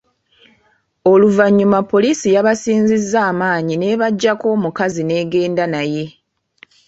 Oluvannyuma poliisi yabasinzizza amaanyi n’ebaggyako omukazi n’egenda naye.